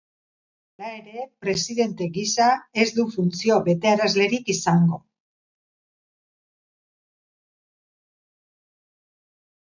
Hala ere, presidente gisa ez du funtzio betearazlerik izango.